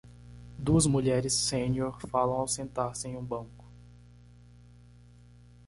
Duas mulheres sênior falam ao sentar-se em um banco.